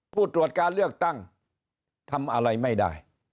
ผู้ตรวจการเลือกตั้งทำอะไรไม่ได้